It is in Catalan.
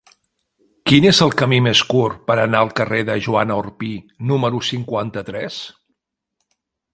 Quin és el camí més curt per anar al carrer de Joan Orpí número cinquanta-tres?